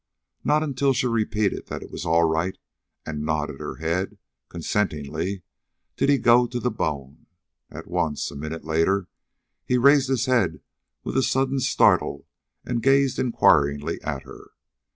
Not until she repeated that it was all right and nodded her head consentingly did he go to the bone. And once, a minute later, he raised his head with a sudden startle and gazed inquiringly at her.